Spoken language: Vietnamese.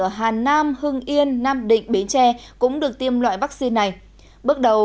ở hà nam hưng yên nam định bến tre cũng được tiêm loại vaccine này bước đầu